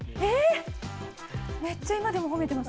めっちゃ今でも褒めてます。